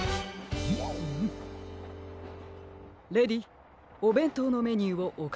レディーおべんとうのメニューをおかりできますか？